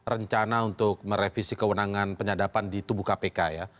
rencana untuk merevisi kewenangan penyadapan di tubuh kpk ya